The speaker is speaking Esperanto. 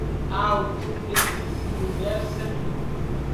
Aŭ ĉu estis inverse?